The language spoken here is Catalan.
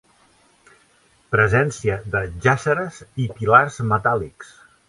Presència de jàsseres i pilars metàl·lics.